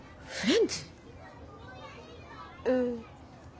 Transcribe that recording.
うん。